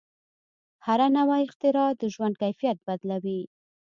هره نوې اختراع د ژوند کیفیت بدلوي.